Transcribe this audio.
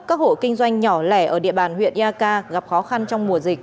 các hộ kinh doanh nhỏ lẻ ở địa bàn huyện eak gặp khó khăn trong mùa dịch